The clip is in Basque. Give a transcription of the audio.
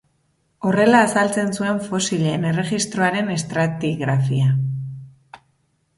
Horrela azaltzen zuen fosilen erregistroaren estratigrafia.